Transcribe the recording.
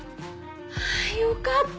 ああよかった！